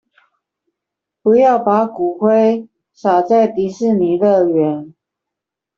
不要把骨灰灑在迪士尼樂園